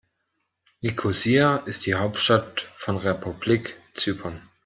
Nikosia ist die Hauptstadt von Republik Zypern.